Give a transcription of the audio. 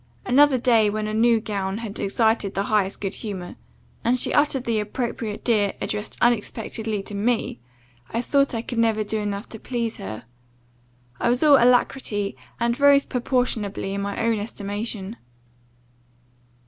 Another day, when a new gown had excited the highest good humour, and she uttered the appropriate dear, addressed unexpectedly to me, I thought I could never do enough to please her; I was all alacrity, and rose proportionably in my own estimation.